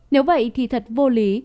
nếu vậy thì thật vô lý